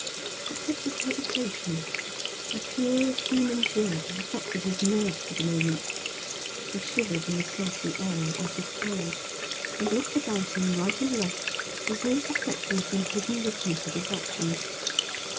A touch of hesitation of pure human dread affected his nerves for the moment, he shivered in the sultry air as with cold, and looked about him right and left as though suspecting some hidden witness of his actions.